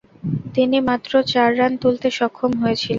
তিনি মাত্র চার রান তুলতে সক্ষম হয়েছিলেন।